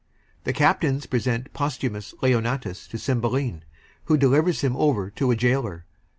The CAPTAINS present POSTHUMUS to CYMBELINE, who delivers him over to a gaoler.